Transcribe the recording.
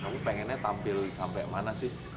kamu pengennya tampil sampai mana sih